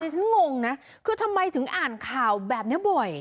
ฉันงงนะคือทำไมถึงอ่านข่าวแบบนี้บ่อย